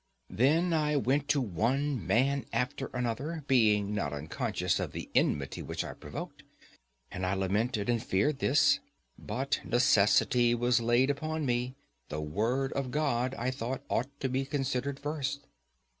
Then I went to one man after another, being not unconscious of the enmity which I provoked, and I lamented and feared this: but necessity was laid upon me,—the word of God, I thought, ought to be considered first.